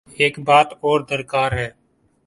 ایک بات اور درکار ہے۔